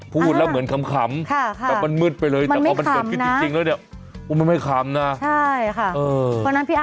ก็ยังไงก็พักผ่อนกันให้มากมี